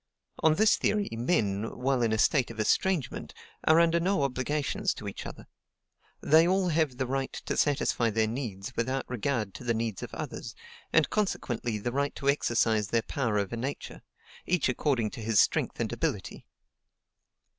On this theory, men, while in a state of ESTRANGEMENT, are under no obligations to each other; they all have the right to satisfy their needs without regard to the needs of others, and consequently the right to exercise their power over Nature, each according to his strength and ability.